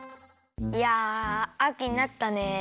いやあきになったね。